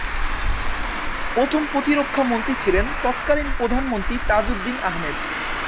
প্রথম প্রতিরক্ষা মন্ত্রী ছিলেন তৎকালীন প্রধানমন্ত্রী তাজউদ্দিন আহমেদ।